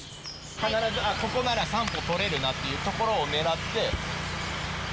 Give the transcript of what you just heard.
必ずここなら３歩とれるなっていうところを狙って。